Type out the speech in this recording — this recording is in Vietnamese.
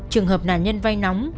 trường hợp nạn nhân vay nóng